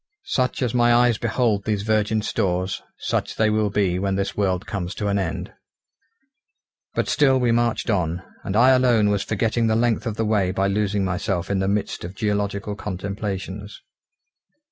Such as my eyes behold these virgin stores, such they will be when this world comes to an end. But still we marched on, and I alone was forgetting the length of the way by losing myself in the midst of geological contemplations.